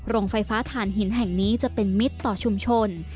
โรงไฟฟ้าฐานหินแห่งนี้จะเป็นมิตรต่อชุมชน